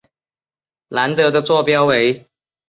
兰德的座标为。